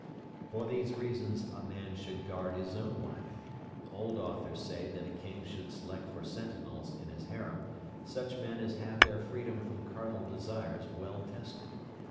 For these reasons a man should guard his own wife. Old authors say that a King should select for sentinels in his harem such men as have their freedom from carnal desires well tested.